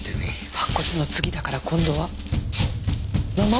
白骨の次だから今度は生もの？